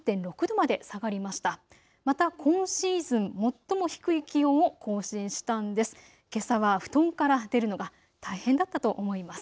また今シーズン最も低い気温を更新したんです。